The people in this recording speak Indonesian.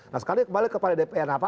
nah sekarang kembali kepada dpr apa